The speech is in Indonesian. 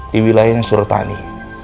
di wilayah surutani